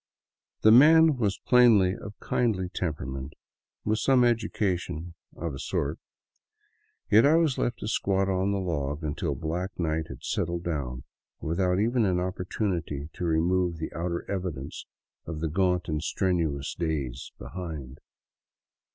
The man was plainly of kindly temperament, with some education, of a sort, yet I was left to squat on the log until black night had settled down, without even an opportunity to remove the outer evidence of the gaunt and strenuous days behind.